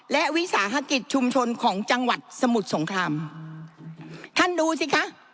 และวิสาหกิจชุมชนของจังหวัดสมุทรสงครามท่านดูสิคะ